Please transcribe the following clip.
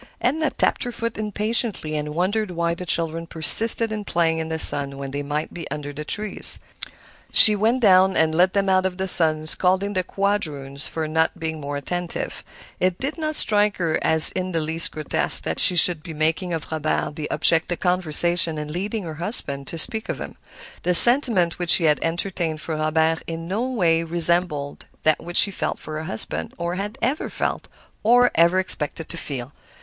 Edna tapped her foot impatiently, and wondered why the children persisted in playing in the sun when they might be under the trees. She went down and led them out of the sun, scolding the quadroon for not being more attentive. It did not strike her as in the least grotesque that she should be making of Robert the object of conversation and leading her husband to speak of him. The sentiment which she entertained for Robert in no way resembled that which she felt for her husband, or had ever felt, or ever expected to feel.